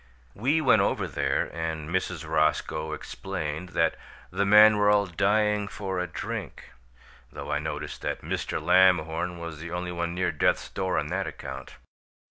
We went over there, and Mrs. Roscoe explained that 'the men were all dying for a drink,' though I noticed that Mr. Lamhorn was the only one near death's door on that account.